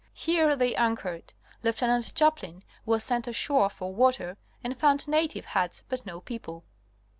Here they anchored (L.). Lieutenant Chaplin was sent ashore for water and found native huts but no people.